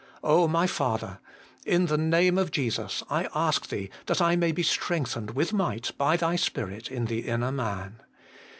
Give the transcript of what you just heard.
my Father ! in the name of Jesus I ask Thee that I may be strengthened with might by Thy Spirit in the inner man.